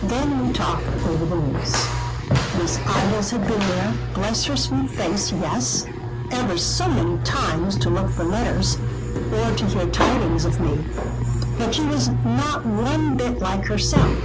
Then we talk over the news. Miss Idols had been there, bless her sweet face, yes, ever so many times, to look for letters, or to hear tidings of me. But she was not one bit like herself.